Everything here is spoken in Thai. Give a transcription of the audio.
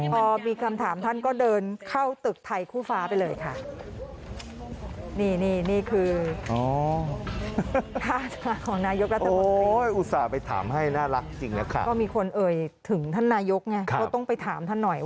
พอมีคำถามท่านก็เดินเข้าตึกไทยคู่ฟ้าไปเลยค่ะ